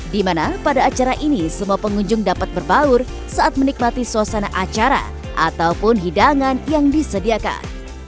di mana pada acara ini semua pengunjung dapat berbaur saat menikmati suasana acara ataupun hidangan yang disediakan